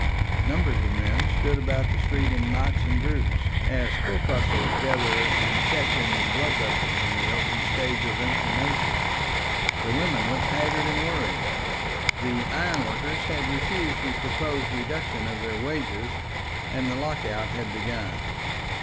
Numbers of men stood about the streets in knots and groups, as corpuscles gather and catch in the blood vessels in the opening stages of inflammation. The women looked haggard and worried. The ironworkers had refused the proposed reduction of their wages, and the lockout had begun.